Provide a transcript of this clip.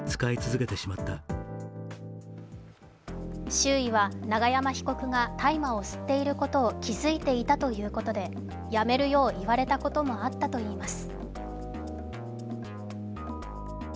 周囲は永山被告が大麻を吸っていることを気付いていたということでやめるよう言われたこともあったといいます。